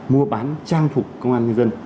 mua bán trang phục công an nhân dân